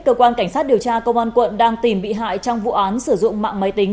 cơ quan cảnh sát điều tra công an quận đang tìm bị hại trong vụ án sử dụng mạng máy tính